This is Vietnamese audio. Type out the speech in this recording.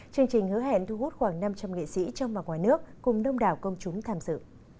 chương trình hứa hẹn thu hút khoảng năm trăm linh nghệ sĩ trong và ngoài nước cùng đông đảo công chúng tham dự